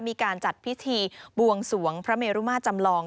มีการจัดพิธีบวงสวงพระเมรุมาจำลอง